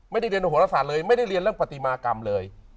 ไม่ได้เรียนโหรศาสตร์เลยไม่ได้เรียนเรื่องปฏิมากรรมเลย